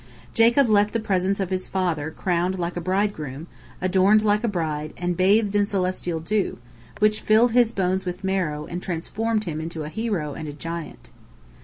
" Jacob left the presence of his father crowned like a bridegroom, adorned like a bride, and bathed in celestial dew, which filled his bones with marrow, and transformed him into a hero and a giant.